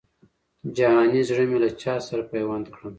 جهاني زړه مي له چا سره پیوند کړم